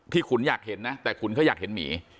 ขุนอยากเห็นนะแต่ขุนเขาอยากเห็นหมี